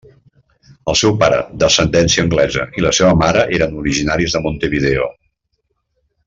El seu pare, d'ascendència anglesa, i la seva mare eren originaris de Montevideo.